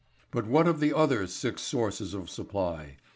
But what of the other six sources of supply?